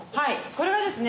これがですね